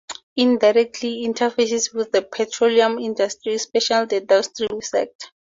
It directly interfaces with the petroleum industry, especially the downstream sector.